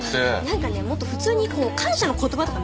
何かねもっと普通に感謝の言葉とかないわけ？